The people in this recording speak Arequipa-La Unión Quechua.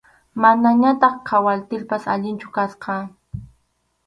Manañataq kwartilpas alinchu kasqa.